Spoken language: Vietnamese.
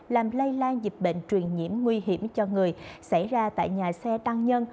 làm lây lan dịch bệnh truyền nhiễm nguy hiểm cho người xảy ra tại nhà xe tăng nhân